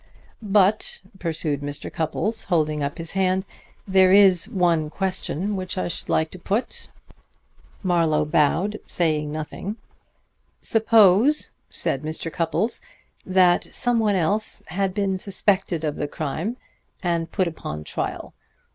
"But," pursued Mr. Cupples, holding up his hand, "there is one question which I should like to put." Marlowe bowed, saying nothing. "Suppose," said Mr. Cupples, "that someone else had been suspected of the crime and put upon trial.